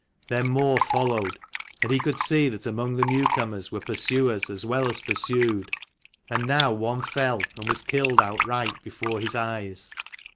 Then more followed : and he could see that among the newcomers were pursuers as well as pursued: and now one fell, and was killed outright before his eyes.